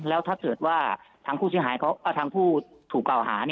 แล้วถ้าเกิดว่าทางผู้ถูกกล่าวหา